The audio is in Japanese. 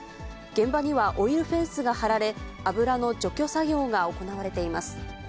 現場にはオイルフェンスが張られ、油の除去作業が行われています。